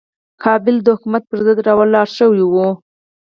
قبایل د حکومت پر ضد راولاړ شوي وو.